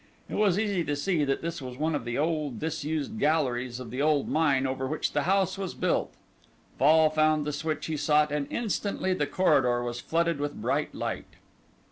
It was easy to see that this was one of the old disused galleries of the old mine over which the house was built. Fall found the switch he sought and instantly the corridor was flooded with bright light.